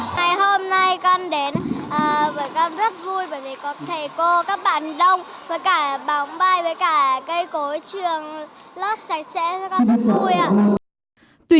ngày hôm nay con đến với con rất vui bởi vì có thầy cô các bạn đông với cả bóng bay với cả cây cối trường lớp sạch sẽ các con rất vui ạ